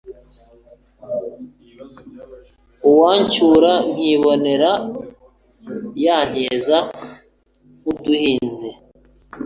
Uwancyura nk' imbonera, Yantiza nk' uduhinzi